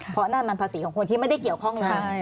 เพราะนั่นมันภาษีของคนที่ไม่ได้เกี่ยวข้องค่ะ